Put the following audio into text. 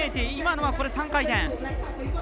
今のは３回転。